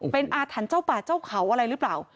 เป็นอาถรรพ์เจ้าป่าเจ้าเขาอะไรหรือเปล่า